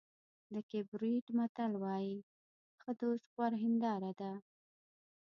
د کېپ ورېډ متل وایي ښه دوست غوره هنداره ده.